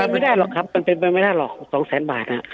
ไม่ได้หรอกครับมันเป็นไปไม่ได้หรอก๒แสนบาท